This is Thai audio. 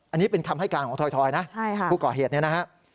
อันนี้เป็นคำให้การของถอยนะผู้ก่อเหตุเนี่ยนะฮะ